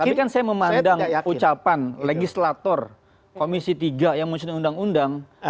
tapi kan saya memandang ucapan legislator komisi tiga yang menyusun undang undang